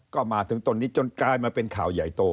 ก็มาถึงต้นนี้จนกลายมาเป็นข่าวใหญ่โต